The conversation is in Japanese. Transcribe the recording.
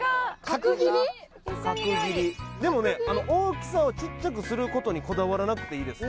角切りでもね大きさをちっちゃくすることにこだわらなくていいです